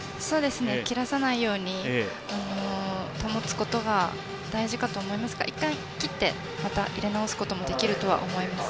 切らさないように保つことが大事かと思いますが１回、切ってまた入れ直すこともできると思います。